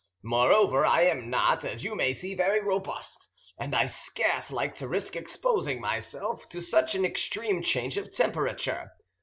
Moreover, I am not, as you may see, very robust, and I scarce like to risk exposing myself to such an extreme change of temperature.